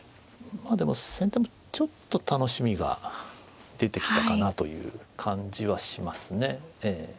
まあでも先手もちょっと楽しみが出てきたかなという感じはしますねええ。